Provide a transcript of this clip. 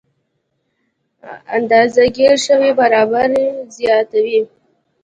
اندازه ګیره شوې برابري زیاتوي.